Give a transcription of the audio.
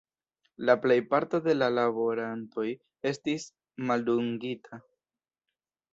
La plejparto de la laborantoj estis maldungita.